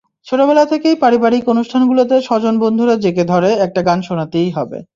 ছোটবেলা থেকেই পারিবারিক অনুষ্ঠানগুলোতে স্বজন-বন্ধুরা জেঁকে ধরে, একটা গান শোনাতেই হবে।